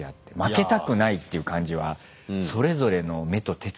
負けたくないっていう感じはそれぞれの目と手つきに出てたね。